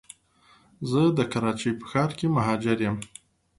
زه د کراچی په ښار کي مهاجر یم